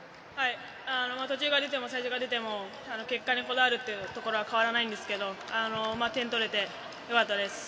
途中から出ても最初から出ても結果にこだわるところは変わらないんですけど点が取れてよかったです。